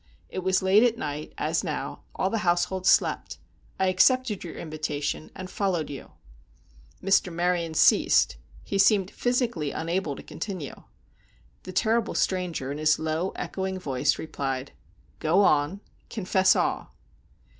It was late at night, as now; all the household slept. I accepted your invitation, and followed you." Mr. Maryon ceased; he seemed physically unable to continue. The terrible stranger, in his low, echoing voice, replied: "Go on; confess all."